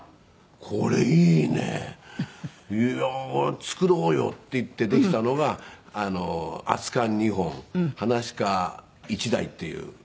「これいいね」「いやー作ろうよ」って言ってできたのが『熱燗二本噺家一代』っていう。